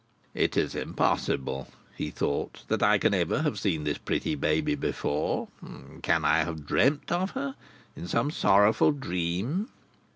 "It is impossible," he thought, "that I can ever have seen this pretty baby before. Can I have dreamed of her? In some sorrowful dream?"